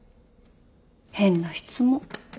変な質問。